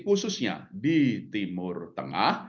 khususnya di timur tengah